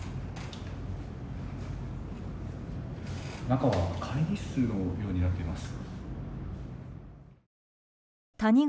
中は会議室のようになっています。